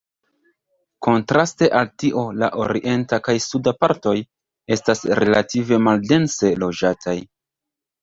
Kontraste al tio la orienta kaj suda partoj estas relative maldense loĝataj.